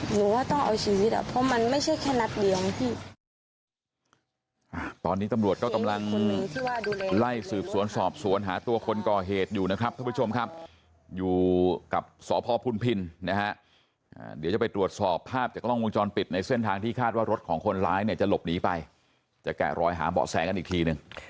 หรือว่าต้องเอาชีวิตอ่ะเพราะมันไม่ใช่แค่นัดเดี่ยวของพี่